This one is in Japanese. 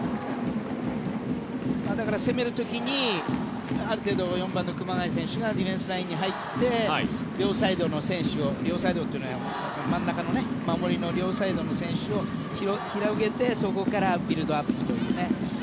だから攻める時にある程度、４番の熊谷選手がディフェンスラインに入って両サイドの選手を両サイドというのは真ん中の守りの両サイドを広げてそこからビルドアップというね。